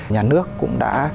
nhà nước cũng đã